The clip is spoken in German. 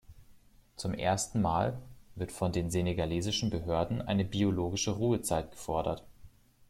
Zum ersten Mal wird von den senegalesischen Behörden eine biologische Ruhezeit gefordert.